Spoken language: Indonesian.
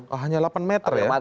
hanya delapan meter ya